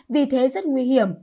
vì thế rất nguy hiểm